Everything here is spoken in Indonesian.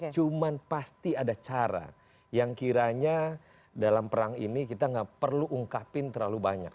cuma pasti ada cara yang kiranya dalam perang ini kita nggak perlu ungkapin terlalu banyak